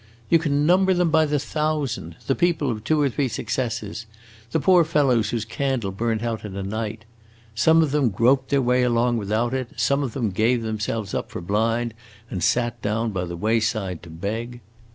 You can number them by the thousand the people of two or three successes; the poor fellows whose candle burnt out in a night. Some of them groped their way along without it, some of them gave themselves up for blind and sat down by the wayside to beg.